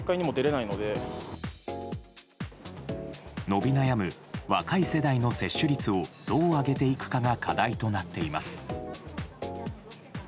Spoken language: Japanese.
伸び悩む若い世代の接種率をどう上げていくかが課題となっています。